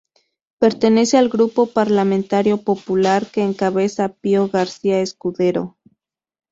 Pertenece al Grupo Parlamentario Popular que encabeza Pío García-Escudero.